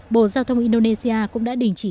bộ giao thông indonesia cũng đã đình chỉ